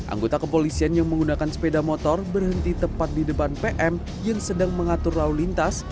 anggota kepolisian yang menggunakan sepeda motor berhenti tepat di depan pm yang sedang mengatur lalu lintas